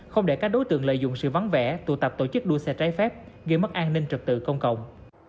không để các đối tượng lợi dụng sự vắng vẻ tụ tập tổ chức đua xe trái phép gây mất an ninh trật tự công cộng